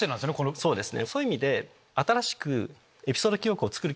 そうですよね！